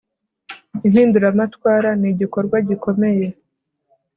impinduramatwara ni igikorwa gikomeye